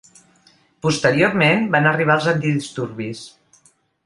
Posteriorment, van arribar els antidisturbis.